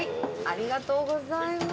ありがとうございます。